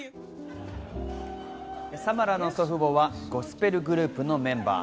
サマラの祖父母はゴスペルグループのメンバー。